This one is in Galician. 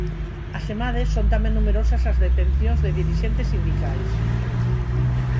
Asemade, son tamén numerosas as detencións de dirixentes sindicais.